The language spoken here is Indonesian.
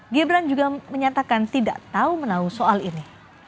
gibran juga menyatakan tidak tahu menahu soal ini